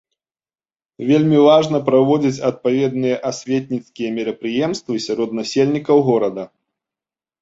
Вельмі важна праводзіць адпаведныя асветніцкія мерапрыемствы сярод насельнікаў горада.